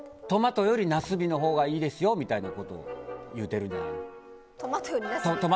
トマトよりなすびのほうがいいですよみたいなことを言うてるんじゃないの？